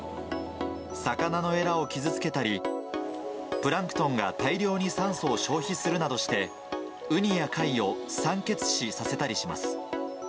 魚のえらを傷つけたり、プランクトンが大量に酸素を消費するなどして、ウニや貝を酸欠死させたりします。